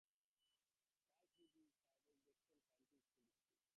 Gulf Hills is served by the Jackson County School District.